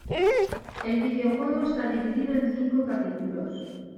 El videojuego está dividido en cinco capítulos.